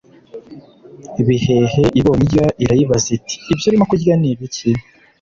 bihehe ibonye irya, irayibaza iti «ibyo urimo kurya ni ibiki